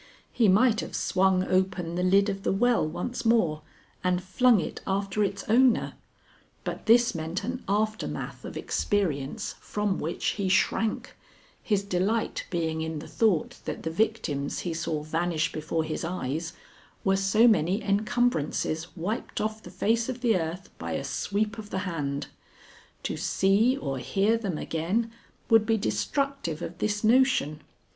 He might have swung open the lid of the well once more and flung it after its owner, but this meant an aftermath of experience from which he shrank, his delight being in the thought that the victims he saw vanish before his eyes were so many encumbrances wiped off the face of the earth by a sweep of the hand. To see or hear them again would be destructive of this notion.